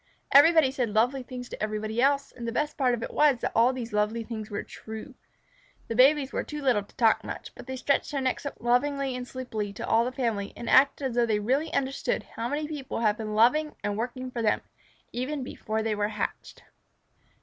Everybody said lovely things to everybody else, and the best part of it was that all these lovely things were true. The babies were too little to talk much, but they stretched their necks up lovingly and sleepily to all the family, and acted as though they really understood how many people had been loving and working for them, even before they were hatched.